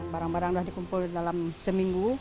barang barang sudah dikumpul dalam seminggu